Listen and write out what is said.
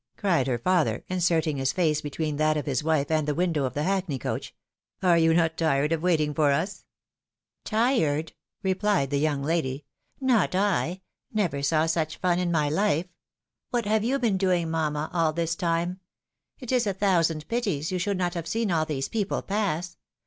" cried her father, inserting his face between that of his wife and the window of the hackney coach, " are you not tired of waiting for us ?"" Tired ?" replied the young lady ;" not I ; never saw such fun in my Ufe. What have you been doing, mamma, all this time? It is a thousand pities you should not have seen all these people pass.